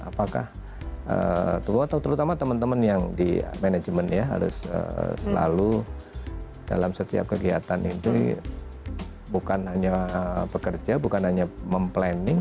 apakah terutama teman teman yang di manajemen ya harus selalu dalam setiap kegiatan itu bukan hanya bekerja bukan hanya mem planning